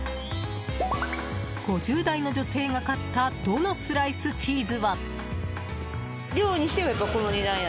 ５０代の女性が買ったドのスライスチーズは。